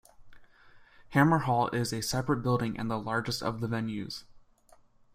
Hamer Hall is a separate building and the largest of the venues.